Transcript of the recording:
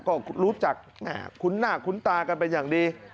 ก็รู้จักคุ้นหน้าคุ้นตากันเป็นอย่างดี